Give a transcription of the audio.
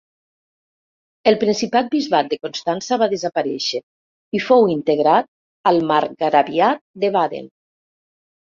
El principat-bisbat de Constança va desaparèixer i fou integrat al marcgraviat de Baden.